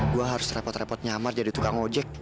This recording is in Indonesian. gue harus repot repot nyamar jadi tukang ojek